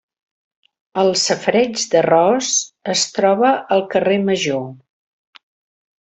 El safareig d'Arròs es troba al carrer Major.